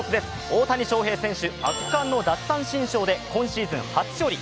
大谷翔平選手、圧巻の奪三振ショーで今シーズン初勝利。